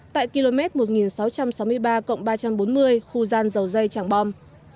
tại km một nghìn sáu trăm sáu mươi ba ba trăm bốn mươi khu gian dầu dây chẳng bom